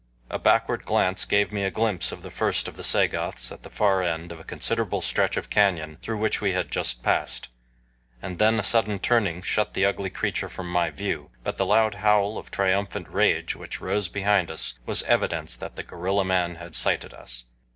A backward glance gave me a glimpse of the first of the Sagoths at the far end of a considerable stretch of canyon through which we had just passed, and then a sudden turning shut the ugly creature from my view; but the loud howl of triumphant rage which rose behind us was evidence that the gorilla man had sighted us.